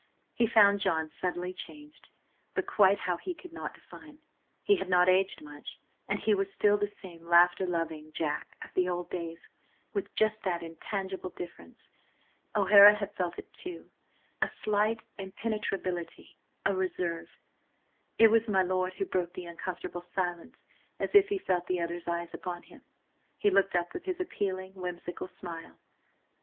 He found John subtly changed, but quite how he could not define. He had not aged much, and he was still the same laughter loving Jack of the old days, with just that intangible difference. O'Hara had felt it, too: a slight impenetrability, a reserve. It was my lord who broke the uncomfortable silence As if he felt the other's eyes upon him, he looked up with his appealing, whimsical smile.